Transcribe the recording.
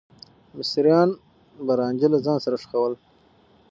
مصريان به رانجه له ځان سره ښخاوه.